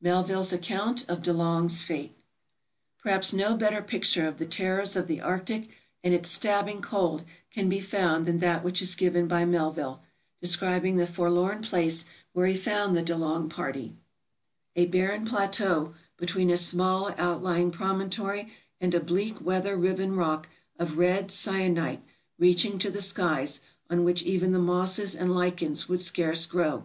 Melville's Account of De Long's Fate Perhaps no better picture of the terrors of the arctic and its stabbing cold can be found than that which is given by Melville, describing the forlorn place where he found the De Long party: 458 TRAVELERS AND EXPLORERS " A barren plateau, between a small outlying promontory and a bleak weather riven rock of red syenite reaching to the skies, on which even the mosses and lichens would scarce grow.